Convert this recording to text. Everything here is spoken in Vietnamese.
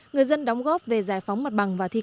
người dân đóng góp về giải phóng mặt bằng và thi công